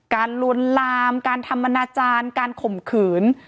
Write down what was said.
ลวนลามการทำอนาจารย์การข่มขืน